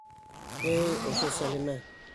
Эй, ошо Сәлимә!..